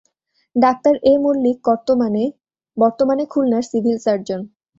Doctor A Mallick কর্তমানে খুলনার civil surgeon.